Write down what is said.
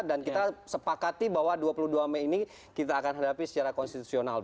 dan kita sepakati bahwa dua puluh dua mei ini kita akan hadapi secara konstitusional